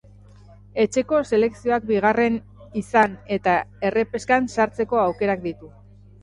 Etxeko selekzioak bigarren izan eta errepeskan sartzeko aukerak ditu.